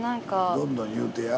どんどん言うてや。